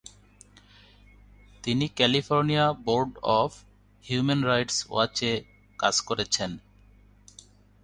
তিনি California board of human rights ওয়াচে কাজ করেছেন।